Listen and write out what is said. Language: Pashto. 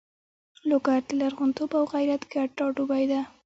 لوګر د لرغونتوب او غیرت ګډ ټاټوبی ده.